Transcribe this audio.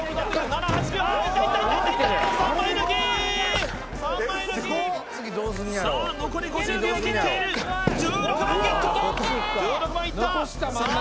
７８９いったいったいった３枚抜き３枚抜きさあ残り５０秒切っている１６番ゲット１６番いったさあ